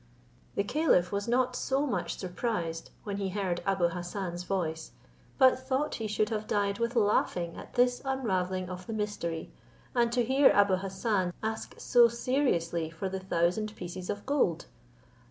The caliph was not so much surprised, when he heard Abou Hassan's voice: but thought he should have died with laughing at this unravelling of the mystery, and to hear Abou Hassan ask so seriously for the thousand pieces of gold.